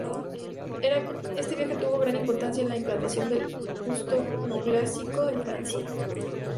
Este viaje tuvo gran importancia en la implantación del gusto neoclásico en Francia.